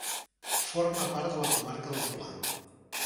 Forma part de la comarca del Pla.